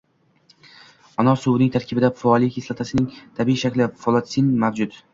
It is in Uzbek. Anor suvining tarkibida foliy kislotasining tabiiy shakli – folatsin mavjud.